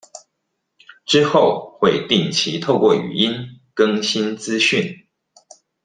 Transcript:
之後會定期透過語音更新資訊